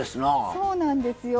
そうなんですよ。